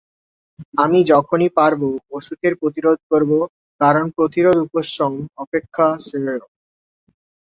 আমি যখনই পারব, অসুখের প্রতিরোধ করব, কারণ প্রতিরোধ উপশম অপেক্ষা শ্রেয়।